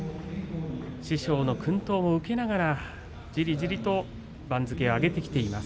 師匠の薫陶を受けながらじりじりと番付を上げてきています。